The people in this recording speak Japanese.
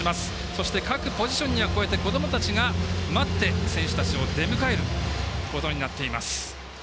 そして、各ポジションにはこどもたちが待って選手たちを出迎えることになっています。